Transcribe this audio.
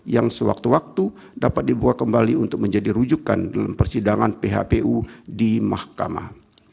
yang sewaktu waktu dapat dibuka kembali untuk menjadi rujukan dalam persidangan phpu di mahkamah